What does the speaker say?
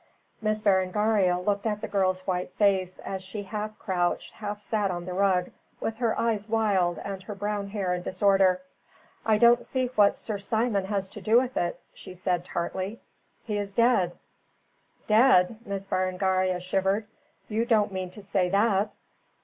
Miss Berengaria looked at the girl's white face as she half crouched, half sat on the rug, with her eyes wild and her brown hair in disorder. "I don't see what Sir Simon has to do with it," said she, tartly. "He is dead." "Dead!" Miss Berengaria shivered. "You don't mean to say that."